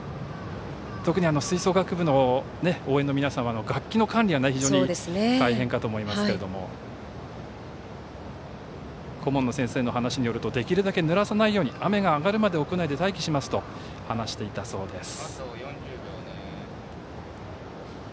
特に吹奏楽部の応援の皆さんは楽器の管理が非常に大変かと思いますが顧問の先生の話によるとできるだけぬらさないように雨が上がるまで屋内で待機しますと話していたそうです。